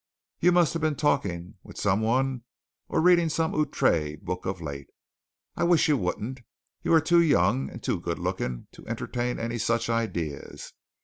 You must have been talking with someone or reading some outré book of late. I wish you wouldn't. You are too young and too good looking to entertain any such ideas.